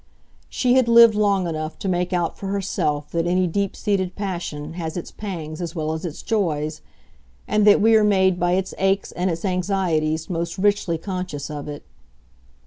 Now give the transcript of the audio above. She had lived long enough to make out for herself that any deep seated passion has its pangs as well as its joys, and that we are made by its aches and its anxieties most richly conscious of it.